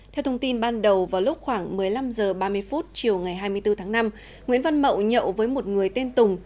theo thông tin ban đầu vào lúc khoảng một mươi năm h ba mươi chiều ngày hai mươi bốn tháng năm nguyễn văn mậu nhậu với một người tên tùng